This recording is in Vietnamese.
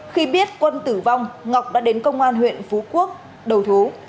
khi biết quân tử vong ngọc đã đến công an huyện phú quốc đầu thú